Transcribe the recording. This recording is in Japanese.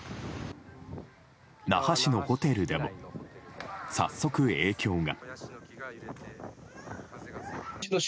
那覇市のホテルでも早速、影響が。